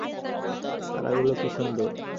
তারাগুলো কি সুন্দর!